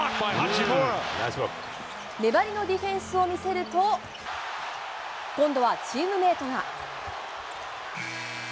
粘りのディフェンスを見せると、今度はチームメートが。